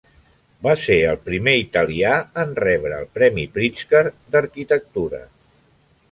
Va ser el primer italià en rebre el premi Pritzker d'arquitectura.